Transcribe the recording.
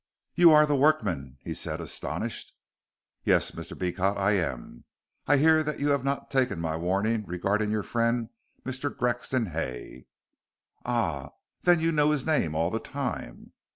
"You are the workman," he said astonished. "Yes, Mr. Beecot, I am. I hear that you have not taken my warning regarding your friend, Mr. Grexon Hay." "Ah! Then you knew his name all the time!"